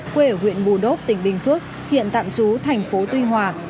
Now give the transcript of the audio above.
quê ở huyện bù đốc tỉnh bình phước hiện tạm trú thành phố tuy hòa